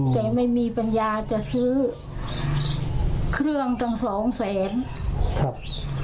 แต่ไม่มีปัญญาจะซื้อเครื่องตั้ง๒๐๐๐๐๐บาท